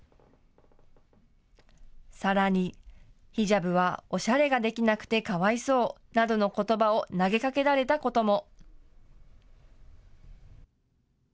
さらに、ヒジャブはおしゃれができなくてかわいそうなどのことばを投げかけられたことも。